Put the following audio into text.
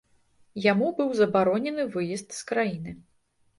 Яму быў забаронены выезд з краіны.